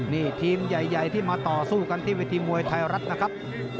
นี่ทีมใหญ่ที่มาต่อสู้กันที่เวทีมวยไทยรัฐนะครับ